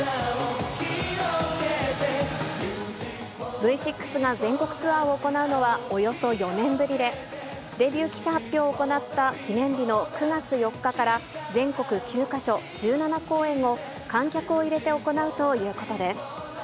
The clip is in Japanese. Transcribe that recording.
Ｖ６が全国ツアーを行うのはおよそ４年ぶりで、デビュー記者発表を行った記念日の９月４日から全国９か所、１７公演を観客を入れて行うということです。